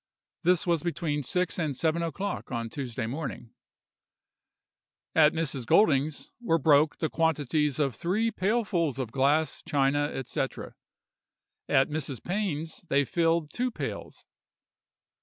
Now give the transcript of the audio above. This was between six and seven o'clock on Tuesday morning. "At Mrs. Golding's were broke the quantity of three pailfuls of glass, china, &c. At Mrs. Pain's they filled two pails.